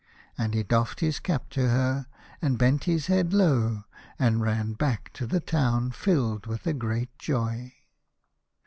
And he doffed his cap to her, and bent his head low, and ran back to the town filled with a great joy.